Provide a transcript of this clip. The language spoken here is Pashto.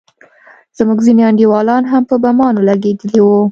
زموږ ځينې انډيولان هم په بمانو لگېدلي وو.